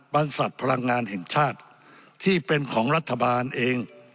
บรรษัทพลังงานแห่งชาติที่เป็นของรัฐบาลเอง